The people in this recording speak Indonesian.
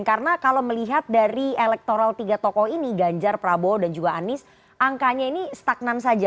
karena kalau melihat dari elektoral tiga tokoh ini ganjar prabowo dan juga anies angkanya ini stagnan saja